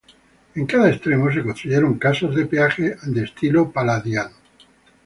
En cada extremo se construyeron casas de peaje de estilo palladiano.